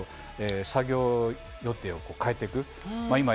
作業予定を変えていく。